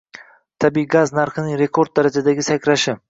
Tabiiy gaz narxhining rekord darajadagi sakrashi